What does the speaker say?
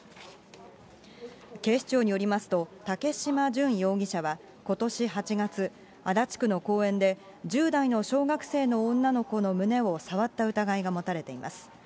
警視庁によりますと、竹嶋純容疑者はことし８月、足立区の公園で１０代の小学生の女の子の胸を触った疑いが持たれています。